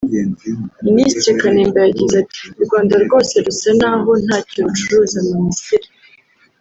Minisitiri Kanimba yagize ati “U Rwanda rwose rusa n’aho ntacyo rucuruza mu Misiri